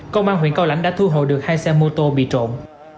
công an huyện cao lãnh đã thu hồi được hai xe mô tô bị trộm